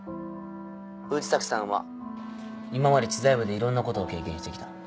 藤崎さんは今まで知財部でいろんなことを経験してきた。